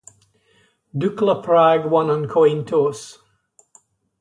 Dukla Prague won on coin toss.